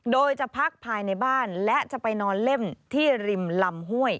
โดยจะพักภายในบ้านและจะไปนอนเล่มที่ริมลำห้วย